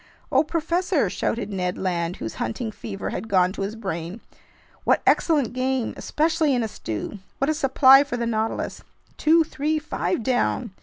"Oh, professor!" shouted Ned Land, whose hunting fever had gone to his brain. "What excellent game, especially in a stew! What a supply for the Nautilus! Two, three, five down!